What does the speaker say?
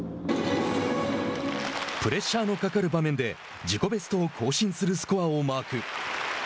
プレッシャーのかかる場面で自己ベストを更新するスコアをマーク。